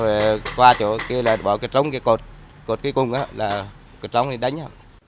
rồi qua chỗ kia là bỏ cái trống kia cột cột cái cung đó là cái trống này đánh